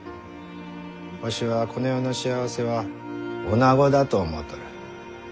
わしはこの世の幸せはおなごだと思うとる。